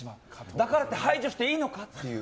だからって排除していいのかっていう。